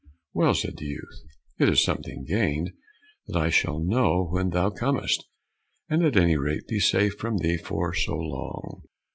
"Well," said the youth, "it is something gained that I shall know when thou comest, and at any rate be safe from thee for so long."